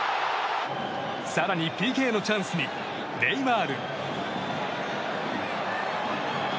更にＰＫのチャンスにネイマール。